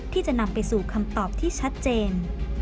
ที่จะนำไปสู่คำตอบที่ชัดเจน